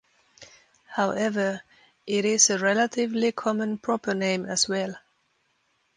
However, it is a relatively common proper name as well.